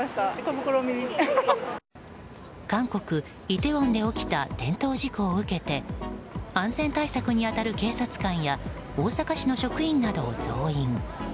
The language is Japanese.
韓国イテウォンで起きた転倒事故を受けて安全対策に当たる警察官や大阪市の職員などを増員。